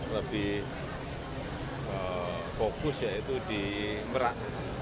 lebih fokus yaitu di merak